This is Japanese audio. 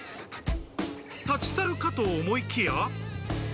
立ち去るかと思いきや。